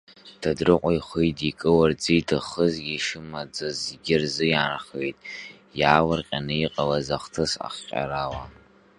Дадрыҟәа ихы идикыларц зиҭаххазгьы шымаӡаз зегьы рзы иаанхеит, иаалырҟьаны иҟалаз ахҭыс ахҟьарала.